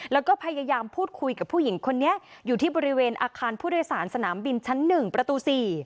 แล้วก็พยายามพูดคุยกับผู้หญิงคนนี้อยู่ที่บริเวณอาคารผู้โดยสารสนามบินชั้น๑ประตู๔